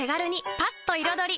パッと彩り！